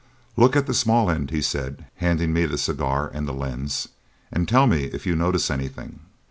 "Look at the small end," he said, handing me the cigar and the lens, "and tell me if you notice anything."